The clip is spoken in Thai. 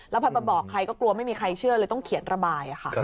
แล้วพอไปบอกใครก็กลัวไม่มีใครเชื่อเลยต้องเขียนระบายค่ะ